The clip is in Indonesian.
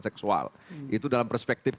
seksual itu dalam perspektif